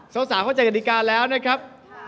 โซสาเข้าใจกันดีการแล้วนะครับ